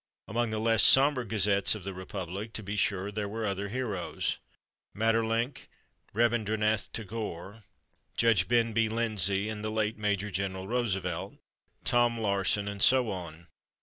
Among the less somber gazettes of the republic, to be sure, there were other heroes: Maeterlinck, Rabindranath Tagore, Judge Ben B. Lindsey, the late Major General Roosevelt, Tom Lawson and so on.